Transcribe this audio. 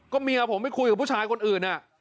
ก็เมียผมไม่คุยกับผู้ชายคนอื่นน่ะ